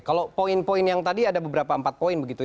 kalau poin poin yang tadi ada beberapa empat poin begitu